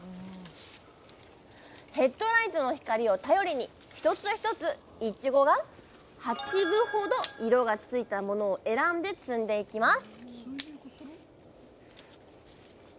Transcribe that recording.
ヘッドライトの光を頼りに一つ一ついちごが８分ほど色がついたものを選んで摘んでいきます